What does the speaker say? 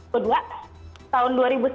ke dua tahun dua ribu sembilan